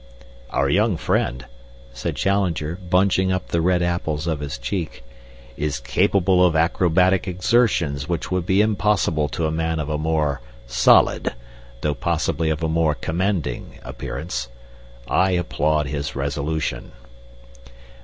"Our young friend," said Challenger, bunching up the red apples of his cheeks, "is capable of acrobatic exertions which would be impossible to a man of a more solid, though possibly of a more commanding, appearance. I applaud his resolution."